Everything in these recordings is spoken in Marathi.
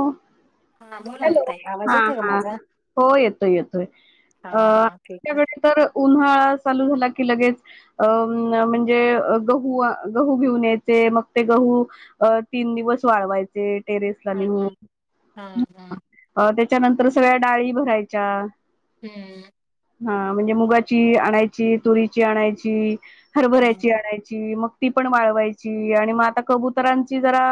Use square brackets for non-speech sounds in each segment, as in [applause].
हो हा बोला ना ताई आवाज येतोय का माझा हो येतोय येतोय हा अ हा ठीक आहे. त्याच्याकडे तर उन्हाळा चालू झाला की, लगेच अ म्हणजे गहू गहू घेऊन यायचे मग ते गहू अ तीन दिवस वाळवायचे टेरेसला हा नेहुन. हा हा. अ त्याच्यानंतर सगळ्या डाळी भरायच्या. हम्म. हा म्हणजे मुगाची आणायची तुरीची आणायची. हा. हरभऱ्याची आणायची मग ती पण वाळवायची आणि मग आता कबुतरांची जरा.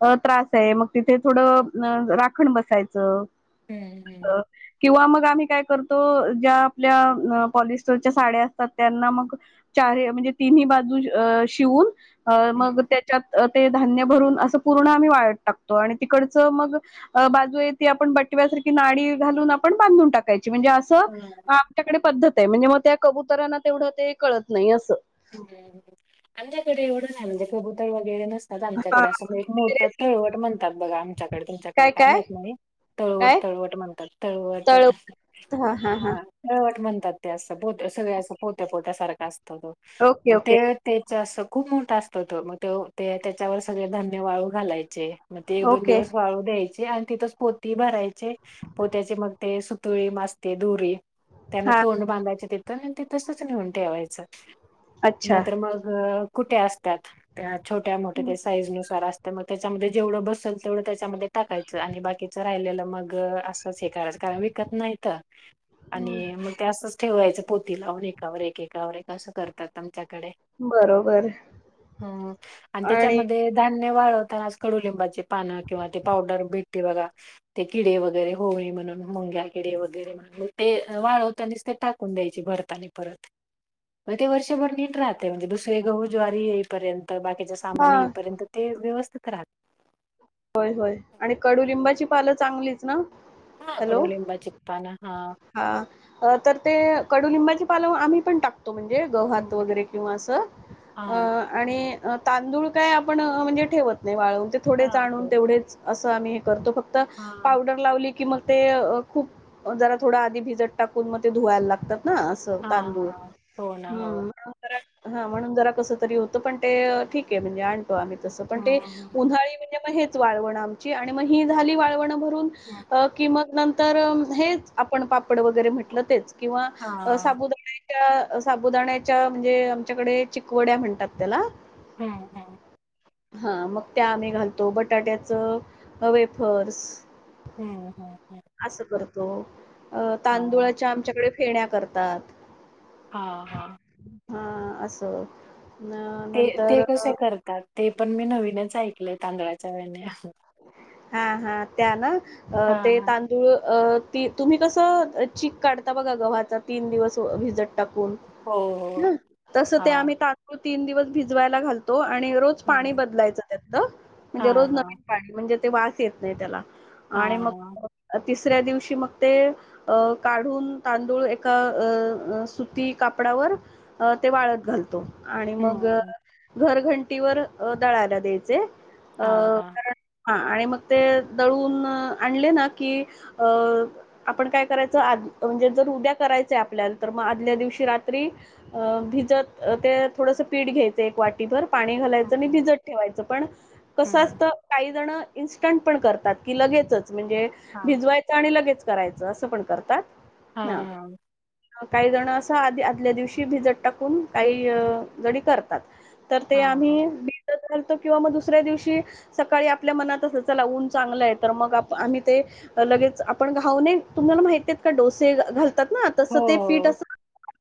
अ त्रास आहे मग तिथे थोडं राखण बसायचं. हम्म हम्. अ, किंवा मग आम्ही काय करतो ज्या आपल्या पॉलिस्टरच्या साड्या असतात त्यांना मग. चार म्हणजे तीनही बाजू शिवून अ हम्म. मग त्याच्यात. ते धान्य भरून असं पूर्ण आम्ही वाळत टाकतो आणि तिकडचं मग बाजू. ती आपण बटव्यासारखी नाडी घालून आपण बांधून टाकायची म्हणजे असं अ. हा. आमच्या कडे पद्धत आहे म्हणजे मग त्या कबुतरांना तेवढं ते कळत नाही असं. आमच्याकडे एवढं नाही म्हणजे कबुतर वगैरे नसत. हां, आमच्याकडे असं एक मोठं ड्रेस तळवट म्हणतात बघा आमच्याकडे तुमच्याकडे काय माहीत नाही. तळवट काय तळवट म्हणतात तळवट. तळ हा हा हा. तळवट म्हणतात ते असं पो सगळ असं पोत्या पोत्या सारखा असतं तो ओके ओके ते. ते त्याच अस खूप मोठा असतो त मग ते त्याच्यावर सगळे धान्य वाळू घालायचे. चे मग ते एक दोन ओके दिवस वाळू द्यायचे. ते आणि तिथच पोती भरायचे पोत्याचे मग ते सुतुळी मास्ते दुरी. त्यांना हा तोंड बांधायच तिथं आणि ति तसच नेऊन ठेवायचं. अच्छा नाहीतर मग कुठे असतात त्या छोट्या मोठ्या त्या साईज नुसार असतात. तर मग त्याच्यामध्ये जेवढं बसेल तेवढं त्याच्यामध्ये टाकायचं आणि बाकीचं राहिलेलं मग असंच हे करायचं कारण. कत नाहीत. आणि मग ते असंच ठेवायचं पोती लाऊन एकावर एक एकावर एक असं करतात आमच्यात. कडे बरोबर हम आणि त्याच्यामध्ये. धान्य वाळवताना आज कडुलिंबाची पानं किंवा ते पावडर भेटती बघा. ते किडे वगैरे होईल म्हणून मुंग्या किडे वगैरे म्हण. हो ते वाळवता आणिच ते टाकून द्यायची भरताने परत. मग ते वर्षभर नीट राहते म्हणजे दुसरे गहू ज्वारी येईपर्यंत बाकीच्या हा सामान येईपर्यंत. ते व्यवस्थित राहत. होय होय आणि कडुलिंबाची पानं चांगलीच ना. हा हॅलो कडूलिंबाचि पानं हा. हा तर ते कडुलिंबाचे पानं आम्ही पण टाकतो. तो म्हणजे गवहात वगैरे किंवा असं अ. हा आणि अ तांदूळ काय आपण म्हणजे ठेवत नाही वाळून ते थोडेच हा आणून ते तेवढेच. असं आम्ही हे करतो फक्त हा पावडर. लावली की मग ते अ खूप जरा थोड आधी भिजत टाकून मग ते धुवायला लागतात ना अस. हा तांदूळ हो ना हो. ह्. हा म्हणून जरा कस तरी होतं पण ते ठीक आहे म्हणजे. आम्ही तसं पण ते हम्म उन्हाळी म्हणजे मग हेच वाळवण आमची आणि मग ही झाली वाळवण भरून. हम्म अ कि म नंतर हेच आपण पापड वगैरे म्हटलं तेच. किंवा हा अ साबुदाळा. त्या साबुदाण्याच्या म्हणजे आमच्याकडे चिकवड्या म्हणतात त्याला. हा हा हा मग त्या आम्ही घालतो बटाट्याच ह वेफर्स हम् हम ह असं करतो अ हा तांदुळाच्या आमच्याकडे फेण्या करतात हा हा. हा असं ते ते नंतर कसे करतात ते पण मी नवीनच ऐकलं तांदळाच्या वेन्या हा हा त्या ना अ ते हा. ती तुम्ही कसं क काढता बघा गव्हाचा तीन दिवस भिजत टाकून हो ह तस हो ते हा आम्ही काढतो. तीन दिवस भिजवायला घालतो आणि रोज पाणी हम्म बदलायचं त्यातलं हा म्हणजे रोज हा नवीन म्हणजे ते वास येत नाही त्याला हा आणि हा मग तिसऱ्या दिवशी मग ते अ काढून तांदूळ एका अ सुती कापडावर अ ते वाळत घालतो. आणि मग अ हम्म घर घंटीवर दळायला द्यायचे अ हा हा हा आणि मग ते दळून आणले ना की अ आपण काय करायचं आ म्हणजे जर उद्या करायचं आपल्याला तर मग आदल्या दिवशी रात्री अ भिजत ते थोडंसं पीठ घ्यायचं एक वाटीभर पाणी घालायचं आणि हम्म भिजत ठेवायचं पण कसं हम्म असत काही जण इन्स्टंट पण करतात की लगेच म्हणजे हा भिजवायच आणि लगेच करायचं असं पण करतात. हा हा. काही जण असं आध आदल्या दिवशी भिजत टाकून काही जणी करतात. तर ते हा हा. आम्ही भिजत घालतो किंवा मग दुसऱ्या दिवशी सकाळी आपल्या मनात असं चला ऊन चांगलं आहे तर मग आपण आम्ही ते लगेच आपण घाऊणे तुम्हाला माहती का डोसे घालतात ना हो तसं ते पीठ हो अस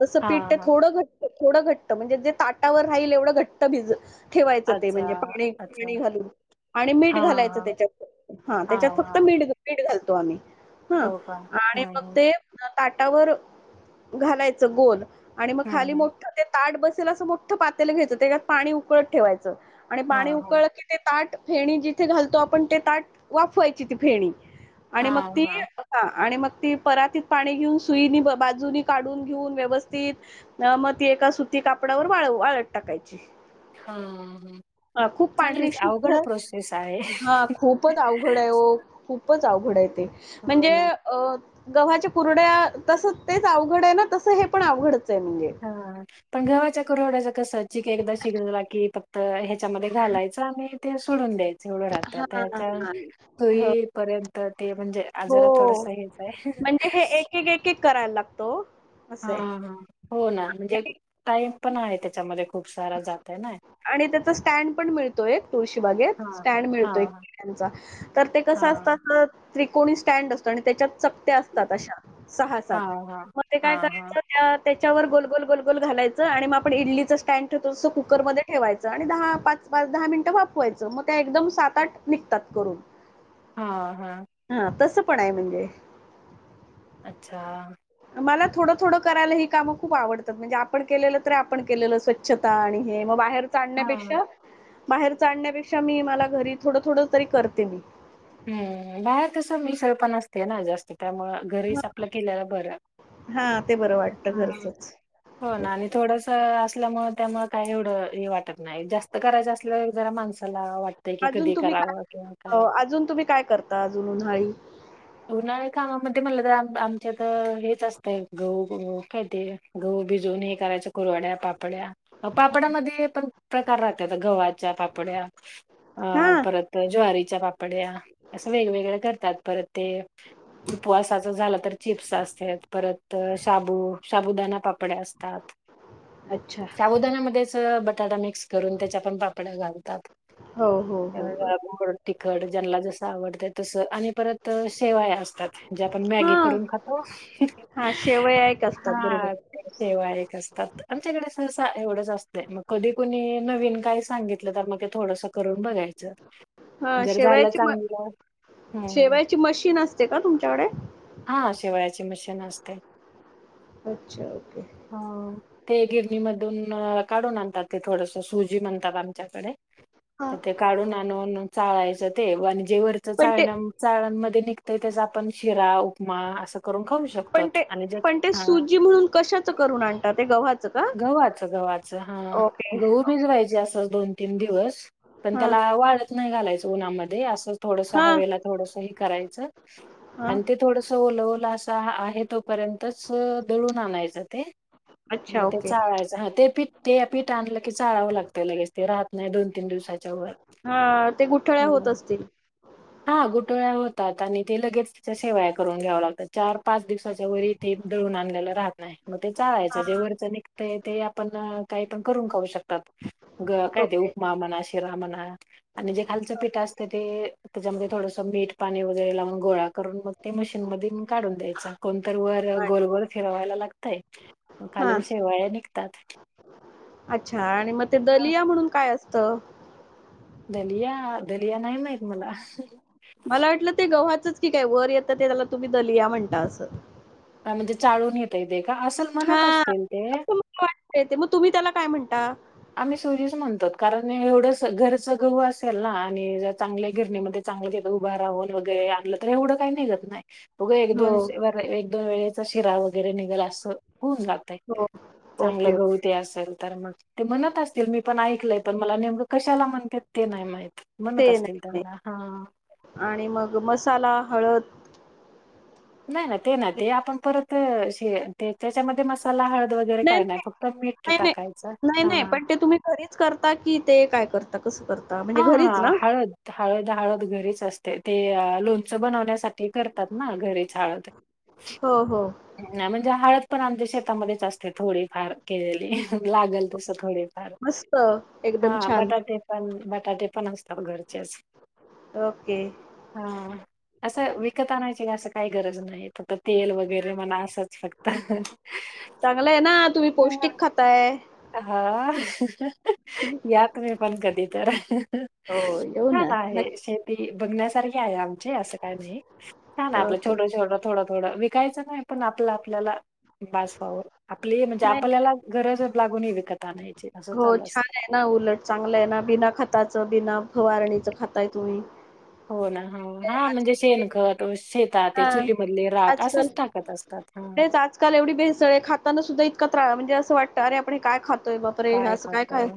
तसं हा पीठ ते हा थोडं घट [inaudible] थोडं घट्ट म्हणजे जे ताटावर राहील एवढं घट्ट भिज ठेवायचं ते अच्छा म्हणजे पाणी अच्छा पाणी घालून आणि मीठ हा घालायचं त्याच्यात हा त्याच्यात फक्त मीठ मीठ घालतो आम्ही हा हो का आणि मग हम्म ते ताटावर घालायचं गोल. आणि मग खाली हम्म मोठं ते ताट बसेल असं मोठं पातेल घ्यायचं त्याच्यात पाणी उकळत ठेवायचं. आणि हा पाणी हा उकळ की ते ताट फेणी जिथे घालतो आपण ते ताट वाफवायची ती फेणी आणि मग ती हा आणि मग ती परातीत पाणी घेऊन सुईनी बाजूनी काढून घेऊन व्यवस्थित अ मग ती एका सुती कापडावर वाळ वाळत टाकायची. हम्म हम्म. अ खूप पांढरी चांगलीच अवघड शुभ्र प्रोसेस आहे हा खूपच अवघड आहे खूपच अवघड आहे ते हो म्हणजे ना अ गव्हाच्या कुरड्या तसं तेच अवघड आहे ना तसं हे पण अवघडच आहे म्हणजे ह पण गव्हाच्या कुरवड्याच कस चिक एकदा शिजवला की फक्त त्याच्यामध्ये घालायच आणि ते सोडून द्यायच एळू राहते हां, आता हच्या हां. हो, त पर्यंत ते म्हणजे आजारात थोडसा हो. हेच आहे म्हणजे हे एक, एक, एक, करायला लागतो. हा असं आहे. हा हो ना म्हणजे आणि टाईम पण आहे त्याच्यामध्ये खूप सारा जात आहे ना. आणि त्याचा स्टँड पण मिळतोय एक तुळशी हा. बागेत स्टँड हा मिळतोयचा. तर ते कस हा असतात त्रिकोणी स्टँड असत आणि त्याच्यात चकते असतात अशा सहा सात हा हा मग ते हा काय हा करायचं त्या त्याच्यावर गोलगोल गोलगोल घालायं आणि मग आपण इडलीच स्टँड ठेवतो तस कुकर मध्ये ठेवायच आणि दहा पाच पाच दहा मिनिटं वाफवायच मग त्या एकदम सात आठ निघतात करून. हा हा हा तस पण आहे म्हणजे अच्छा मला थोड थोड करायला ही काम खूप आवडतात म्हणजे आपण केलेल तरी आपण केलेल स्वच्छता आणि हे मग बाहेर हा साडण्यापेक्षा बाहेरच आणण्यापेक्षा मी मला घरी थोड थोड तरी करते मी हम्म बाहेर तस मिसळ पण असते ना जास्त त्यामुळ घरीच आपल केलेल बर ते बरं वाटतं हा घरचंच हो ना तेच आणि ते थोडस असल्यामुळे त्यामुळे काही एवढ हे वाटत नाही जास्त करायच असल जरा माणस मला वाटत अजून तुम्ही अजून तुमी काय करता अधुन मधुन आई उन्हाळी कामामध्ये म्हटल म तर आमच्यात हेच असतय गहू गहू काय ते गहू भिजवून हे करायच कुरवड्या पापड्या पापड्यामध्ये पण प्रकार राहतात गव्हाच्या पापड्या अ हा परत ज्वारीच्या पापड्या अस वेगवेगळ्या करतात परत ते उपवासच झाल तर चिप्स असत्यात परत शाबू शाबू उदाना पापड्या असतात अच्छा शाबुदाण्यामध्येच बटाटा मिक्स करून त्याच्या पण पापडया घालतात हो हो हो गोड तिखट ज्याला जस आवडत तस आणि परत तर शेवया असतात जे आपण हा मॅगी करून खातो हा शेवया एक असतात बरोबर हा तेव्हा एक असतात आमच्याकडे सहसा एवढच असतय मग कधी कुणी नवीन काय सांगित तर मग थोडस करून बघायच हा जर झाल शेवयाची म चांगल ह शेवयाची मशीन असत ते का तुमच्याकडे हा शेवळ्याची मशीन असते अच्छा ओके ह ते गिरणीमधून काढून आणतात ते थोडस सुजी म्हणतात आमच्याकडे हा तर ते काढून आणून चाळायच ते महनजे वरच पण ते चाळण चालणमध्ये निघतय त्याच आपण शिरा उपमा अस करून खाऊ शकतो पण ते आणि जे पण ते हा सुजी म्हणून कशाच करून आणतात ते गव्हाच गव्हाच गव्हाच हा ओके गहू भिंजवायचे असल दोन -तीन दिवस पण हां त्याला वाळत नाही घालायच उन्हामध्ये असच थोडस हां हवेला थोडस हे करायच हां आणि ते थोडस ओलओल अस आहे तोपर्यंतच दळून आणायच ते अच्छा मग ते ओके चाळायच हा ते पीठ ते पीठ आणल की चाळाव लागतय लगेच ते राहत नाही दोन- तीन दिवसाच्या वर हा ते गुठळ्या होत हो असतील हा गुठळ्या होतात आणि ते लगेच त्याच्या शेवया करून घ्याव लागत चार-पाच दिवसाच्या वर ते दळून आणलेल राहत नाही मग ते चाळायच जे वर हां ते ते आपण काही पण करून खाऊ शकतात काय ते ओके उपमा म्हना शिरा शिरा म्हणा आणि जे खालच पीठ असत ते त्यांच्यामध्ये थोडसं मीठ पाणी वगैरें लावूंन गोळां करूंन मंग ते मशीन मधूंन काढूंन द्यायचां. कोणंतरं वरं अच्छा. गोलं-गोलं फिरवांयला लागतंय. मंग खालूंन हां शेवाळयां निघतांत. अच्छा आणि मंग ते दलिया म्हणूंन कायं असतं? दलियां.... दलियां नाहीं माहित मलां. मलां वाटलं ते गव्हाचंच की कायं वरं येतं ते त्यांला तुम्हीं दलिया म्हणतां ते असं म्हणजे चाळूंन येतंय ते कां असलं म्हणतं असतील ते मंग तुम्हीं त्यांला कायं म्हणतांत? आम्हीं सुजीच म्हणतो कारणं एवढं घरचं गहूं असेल नां आणि चांगल्या गिरणीमध्यें चांगलं तिथं उभं राहूंन वगैरें आणलं तरं एवढं कांहीं निघतं नाहीं. उघं हो एक-दोन एक-दोन वेळेचा शिरा वगैरें निघलं असं होऊंन जातो. हो ओके चांगलं ओके. गहूं ते असेल तरं मंग ते म्हणतं असतील मी पणं ऐकलंय पणं मलां नेमकं कशांला म्हणत्यांत ते नाहीं माहित म्हणतं ते असतील नाही माहीत त्यांना हां आणि मंग मसांला हळंद नाहीं नां ते नां ते आपणं परंत नाहीं ते त्यांच्यामध्ये मसांला हळंद वगैरें नाही कायं नाही नाहीं फक्तं मीठ नाही, नाही. टाकायचं नाही, हं नाही. हं पण ते तुम्ही घरीच करतां कि ते कायं करतां आंता कसं करतां म्हणजे घरीचं हळंद हळंद हळंद घरीचं असते ते लोणचं बनवण्यांसाठी करं त्यां नां घरीच हळंद हो. हो. नाहीं म्हणजे हळंद पणं आमच्या शेतांमध्येचं असते थोडी. फांर केलेली लागलं तसं थोडी फांर मस्त. एकदम हां छान. बटाटे पणं बटाटे पणं असतांत घरचेचं ओके हां असं विकतं आणांयची असं कांहीं गरंज नाहीं. असं तेल वगैरें म्हणां असंच फक्तं चांगलंय आहे नां तुम्हीं पौष्टिक खांताय. हां. यां तुम्हीं पणं कधीं तरी हो, येऊ ना. छान आहे नक्की. शेत बघण्यांसारखी आहे आमचे असं कायं नाहीं. छान आहे हो, आपलं हो. छोटं छोटं थोडं थोडं विकायचं नाहीं पणं आपलं आपल्यांला बांस असावं आपली म्हणजे नाही. आपल्यांला गरजचं लागूं नाहीं विकतं आणांयचे. हो छान आहे नां उलटं चांगलं आहे नां बिनां खताचं बिनां फवांरणीचं खांताय तुम्हीं. हो नां. हां म्हणजे शेणं खंत ते हां. चुलीमधंले रांख असंच टाकतं असतांत हां. कांल एवढं भेसळं खांताना सुद्धां इतकां त्रांस म्हणजे असं वाटतं अरे आपणं हे कायं खातोय तरं बापरे असं कायं खातंय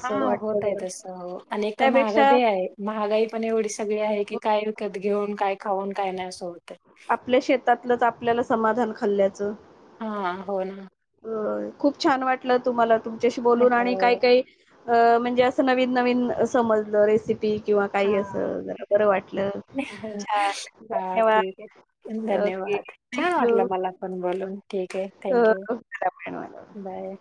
हां होतांय तसं आणि एक तरं महांगाई त्यापेक्षा बी आहे. महांगाई पणं एवढी सगळी आहे की कायं विकतं घेऊन कायं खाऊंन कायं नाहीं असं होतंय. आपल्या शेतांत लंच आपल्यांला समाधांन खांल्ल्याचं. हां, हो नां. अं खूंप छान वाटलं तुम्हांला तुमच्यांशी बोलूंन हो आणि कायं कांहीं अं म्हणजे असं नवीन नवीन समजलं रेसिपी किंवा काही अस हा जरा बरं वाटलं छान, हा ठीक धन्यवाद! आहे ओके धन्यवाद! छान थँक यू. वाटलं मला पण बोलून ठीक आहे. हो, थँक यू, हो. मला पण मला पण. बाय.